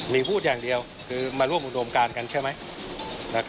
มีพูดอย่างเดียวคือมาร่วมอุดมการกันใช่ไหม